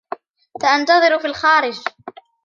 سأنتظر في الخارج.